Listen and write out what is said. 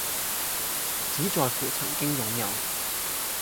只在乎曾經擁有